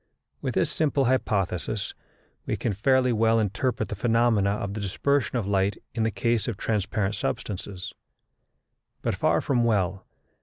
With this simple hypothesis we can fairly well interpret the phenomena of the dispersion of light in the case of transparent substances; but far from well, as M.